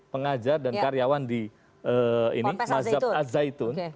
pengajar dan karyawan di mazhab al zaitun